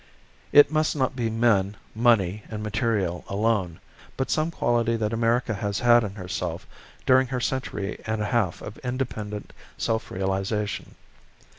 It must not be men, money, and material alone, but some quality that America has had in herself during her century and a half of independent self realization.